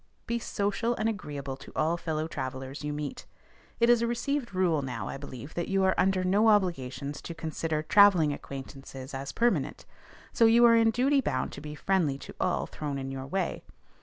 Be social and agreeable to all fellow travellers you meet. It is a received rule now, I believe, that you are under no obligations to consider travelling acquaintances as permanent: so you are in duty bound to be friendly to all thrown in your way.